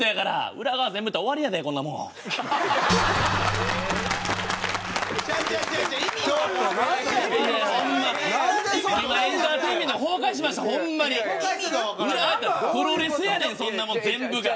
裏側言うたらプロレスやねんそんなもん全部が。